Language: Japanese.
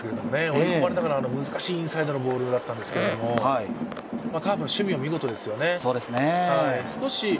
追い込まれながら難しいインサイドのボールだったんですけど、カープの守備は見事ですよね。